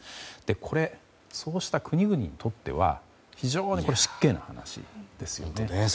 これ、そうした国々にとっては非常に失敬な話ですよね。